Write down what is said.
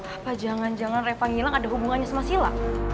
apa jangan jangan riva ngilang ada hubungannya sama sila